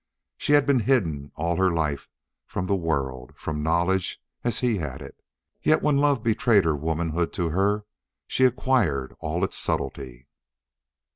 She had been hidden all her life from the world, from knowledge as he had it, yet when love betrayed her womanhood to her she acquired all its subtlety.